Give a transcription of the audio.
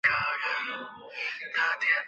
他是皇帝康拉德二世的父亲。